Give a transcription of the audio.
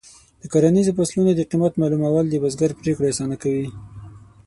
د کرنیزو فصلونو د قیمت معلومول د بزګر پریکړې اسانه کوي.